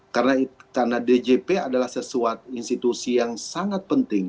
karena djp adalah sesuatu institusi yang sangat penting